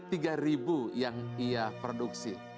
dari tiga yang ia produksi